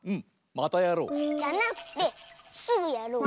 またやろう！じゃなくてすぐやろう！